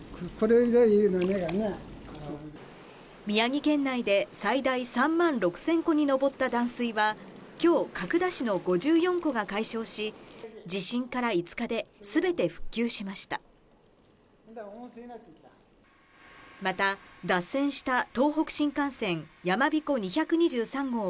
宮城県内で最大３万６０００戸に上った断水は今日、角田市の５４戸が解消し、地震から５日ですべて復旧しました。